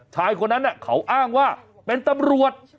ชายคนนั้นเขาอ้างว่าเป็นตำรวจ